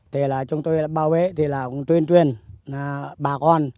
thì là chúng tôi bảo vệ thì là cũng tuyên truyền bà con